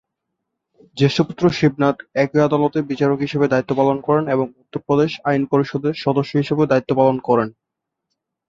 জ্যেষ্ঠ পুত্র, শিবনাথ, একই আদালতে বিচারক হিসেবে দায়িত্ব পালন করেন এবং উত্তরপ্রদেশ আইন পরিষদের সদস্য হিসেবেও দায়িত্ব পালন করেন।